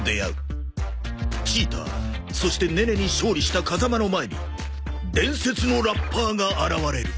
チーターそしてネネに勝利したカザマの前に伝説のラッパーが現れる